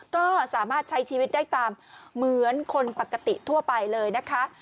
ก็สามารถใช้ชีวิตได้ตามเหมือนคนปกติทั่วไปเลยนะคะ